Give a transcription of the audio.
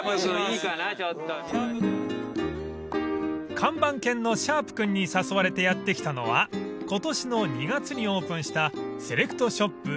［看板犬のシャープ君に誘われてやって来たのは今年の２月にオープンした］